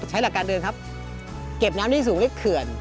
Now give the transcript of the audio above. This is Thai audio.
หลักการเดินครับเก็บน้ำที่สูงเล็กเขื่อน